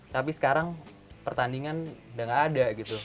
tapi sekarang pertandingan udah gak ada gitu